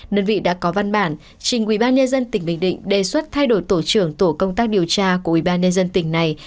nên vị đã có văn bản trình ubnd tỉnh bình định đề xuất thay đổi tổ trưởng tổ công tác điều tra của ubnd tỉnh này